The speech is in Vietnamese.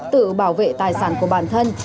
tự bảo vệ tài sản của bản thân